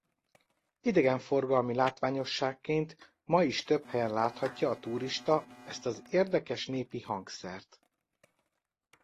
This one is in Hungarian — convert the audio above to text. Idegenforgalmi látványosságként ma is több helyen láthatja a turista ezt az érdekes népi hangszert.